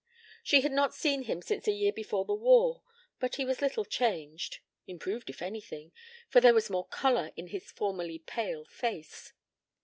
She had not seen him since a year before the war, but he was little changed; improved if anything, for there was more color in his formerly pale face.